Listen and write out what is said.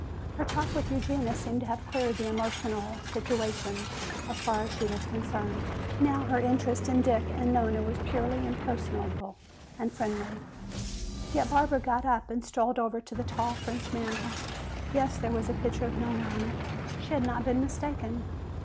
Her talk with Eugenia seemed to have cleared the emotional situation so far as she was concerned. Now her interest in Dick and Nona was purely impersonal and friendly. Yet Barbara got up and strolled over to the tall French mantel. Yes, there was a picture of Nona on it. She had not been mistaken.